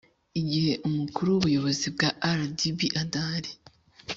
igihe umukuru w ubuyobozi bwa rdb adahari